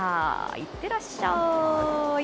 いってらっしゃい！